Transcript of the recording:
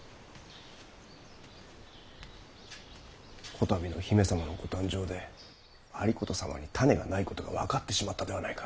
こたびの姫様のご誕生で有功様に胤がないことが分かってしまったではないか。